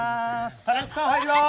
タレントさん入ります。